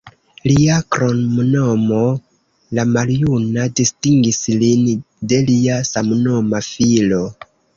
Lia kromnomo "la maljuna" distingis lin de lia samnoma filo.